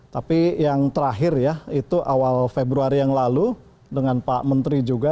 tapi yang terakhir ya itu awal februari yang lalu dengan pak menteri juga